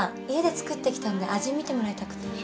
家で作ってきたんで味見てもらいたくて。